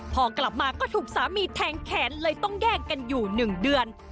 พอกลับมาก็ถูกสามีแทงแขนเลยต้องแย่งกันอยู่๑เดือน